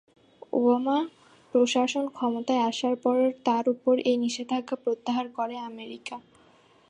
Obama প্রশাসন ক্ষমতায় আসার পর তার উপর এই নিষেধাজ্ঞা প্রত্যাহার করে আমেরিকা।